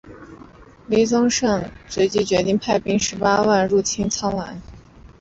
黎圣宗随即决定派兵十八万入侵澜沧。